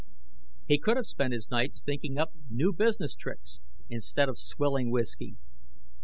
He could have spent his nights thinking up new business tricks, instead of swilling whiskey.